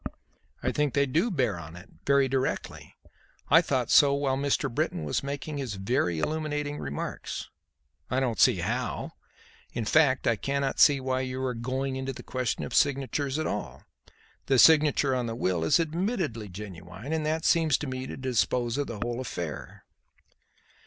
"I think they do bear on it very directly. I thought so while Mr. Britton was making his very illuminating remarks." "I don't see how. In fact I cannot see why you are going into the question of the signatures at all. The signature on the will is admittedly genuine, and that seems to me to dispose of the whole affair."